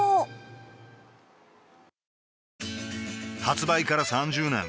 発売から３０年